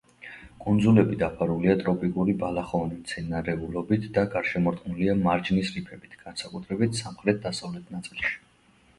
კუნძულები დაფარულია ტროპიკული ბალახოვანი მცენარეულობით და გარშემორტყმულია მარჯნის რიფებით, განსაკუთრებით სამხრეთ-დასავლეთ ნაწილში.